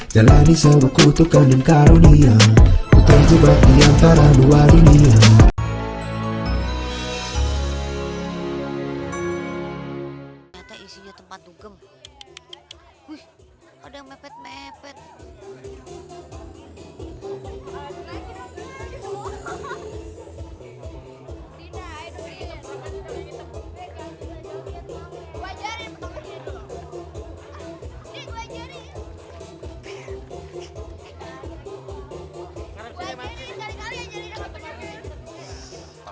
jalani sewaku tukang dan karunia putar jebak diantara dua dunia